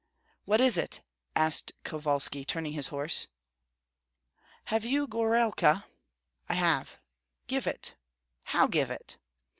"What is it?" asked Kovalski, turning his horse. "Have you gorailka?" "I have." "Give it!" "How give it?"